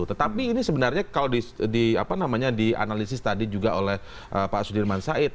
tetapi ini sebenarnya kalau dianalisis tadi juga oleh pak sudirman said